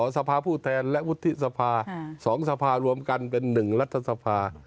สภาผู้แทนและวุฒิสภา๒สภารวมกันเป็น๑รัฐสภา